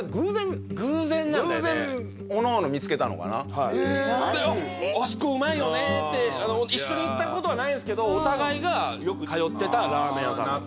偶然なんだよね偶然おのおの見つけたのかなで「あっあそこうまいよね」って一緒に行ったことはないんすけどお互いがよく通ってたラーメン屋さんなんです